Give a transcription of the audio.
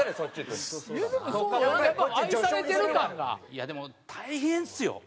いやでも大変っすよ。